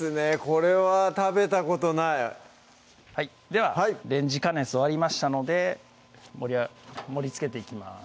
これは食べたことないではレンジ加熱終わりましたので盛りつけていきます